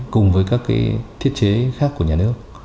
cùng với các thiết chế khác của nhà nước